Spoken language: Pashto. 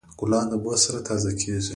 ګلان د اوبو سره تازه کیږي.